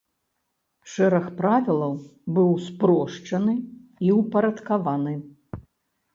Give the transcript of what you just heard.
Шэраг правілаў быў спрошчаны і ўпарадкаваны.